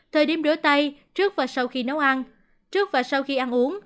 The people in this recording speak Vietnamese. thời điểm rửa tay trước và sau khi nấu ăn trước và sau khi ăn uống